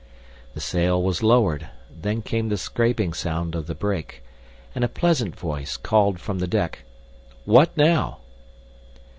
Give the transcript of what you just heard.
The sail was lowered, then came the scraping sound of the brake, and a pleasant voice called from the deck, "What now?"